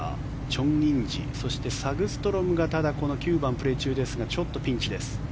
チョン・インジそしてサグストロムがただ、９番をプレー中ですがちょっとピンチです。